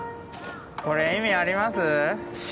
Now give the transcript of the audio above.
これ意味あります？